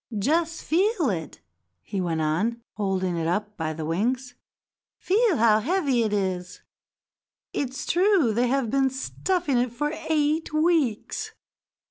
"Just feel it," he went on, holding it up by the wings. "Feel how heavy it is; it's true they have been stuffing it for eight weeks.